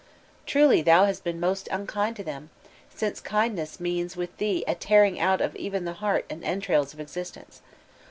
Truly thou hast been most unkind to them, since kindness means with thee a tearing out of e'en the heart and entrails of existence.